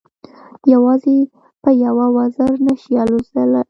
یوازې په یوه وزر نه شي الوتلای.